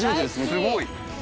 すごい。